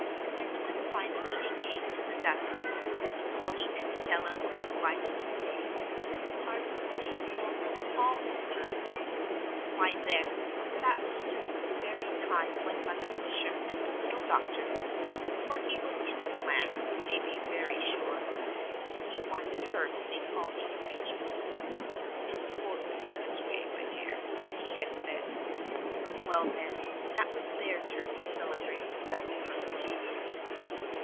And when finally it came to the dusk, and Polly and Adela were obliged to say, "Our birthday is almost all over," why then, that was just the very time when Mother Fisher and the little doctor (for he was in the plan, you may be very sure, only he wanted her to make all the arrangements, "It's more in a woman's way, my dear," he had said), well, then, that was their turn to celebrate the double birthday!